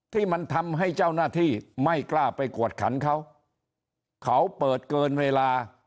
ที่มันทำให้เจ้าหน้าที่ไม่กล้าไปกวดขันเขาเขาเปิดเกินเวลา